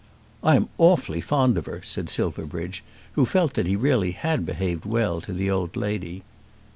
"I am awfully fond of her," said Silverbridge, who felt that he really had behaved well to the old lady.